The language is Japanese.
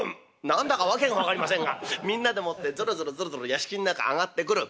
何だか訳が分かりませんがみんなでもってぞろぞろぞろぞろ屋敷ん中上がってくる。